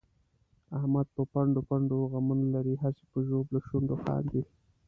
احمد په پنډو پنډو غمونه لري، هسې په ژبلو شونډو خاندي.